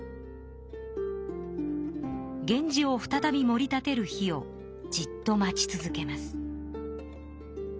源氏を再びもり立てる日をじっと待ち続けます。